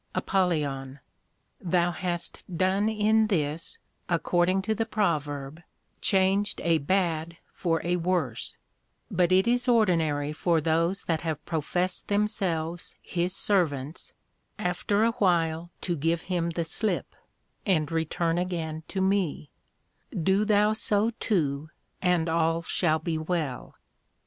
APOL. Thou hast done in this, according to the Proverb, changed a bad for a worse; but it is ordinary for those that have professed themselves his Servants, after a while to give him the slip, and return again to me: Do thou so too, and all shall be well.